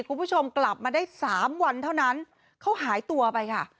คุณผู้ชมกลับมาได้สามวันเท่านั้นเขาหายตัวไปค่ะ